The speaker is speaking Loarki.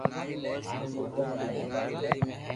ھون او ھارو ڀلو ھون